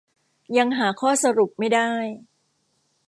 ยังหาข้อสรุปไม่ได้